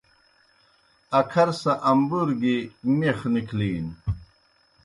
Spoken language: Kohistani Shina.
اکھر سہ امبُور گیْ میخ نِکھلِینوْ۔